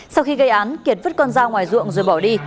sau khi gây án kiệt vứt con ra ngoài ruộng rồi bỏ đi